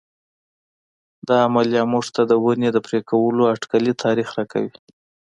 دا عملیه موږ ته د ونې د پرې کولو اټکلي تاریخ راکوي.